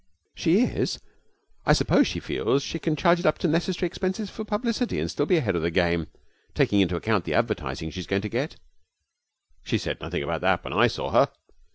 'She is. I suppose she feels she can charge it up to necessary expenses for publicity and still be ahead of the game, taking into account the advertising she's going to get.' 'She said nothing about that when I saw her.'